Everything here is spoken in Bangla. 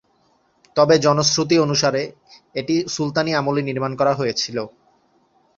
তবে জনশ্রুতি অনুসারে, এটি সুলতানী আমলে নির্মাণ করা হয়েছিল।